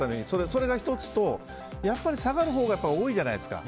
それが１つとやっぱり下がるほうが多いじゃないですか。